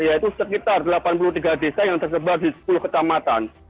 yaitu sekitar delapan puluh tiga desa yang tersebar di sepuluh kecamatan